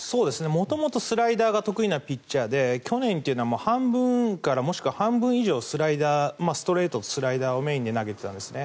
元々スライダーが得意なピッチャーで去年というのは半分もしくは半分以上ストレートとスライダーをメインに投げてたんですね。